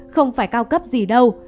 không phải cao cấp gì đâu